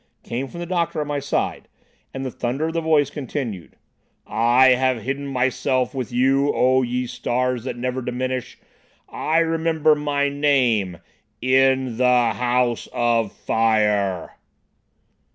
came from the doctor at my side, and the thunder of the voice continued— "I have hidden myself with you, O ye stars that never diminish. I remember my name—in—the—House—of—Fire!"